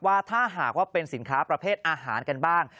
ว่าถ้าหากว่าเป็นสินค้าประเภทอาหารกันบ้าง